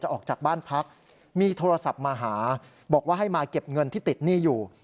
ออกจากบ้านพักมีโทรศัพท์มาหาบอกว่าให้มาเก็บเงินที่ติดหนี้อยู่